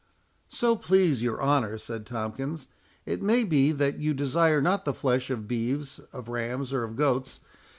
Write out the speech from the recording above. "So please your honour," said Tomkins, "it may be that you desire not the flesh of beeves, of rams, or of goats.